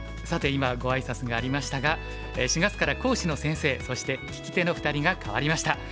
さて今ご挨拶がありましたが４月から講師の先生そして聞き手の２人が代わりました。